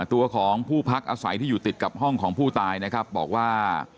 ตัวของผู้พักอาศัยที่อยู่ติดกับห้องของผู้ตายนะครับบอกว่า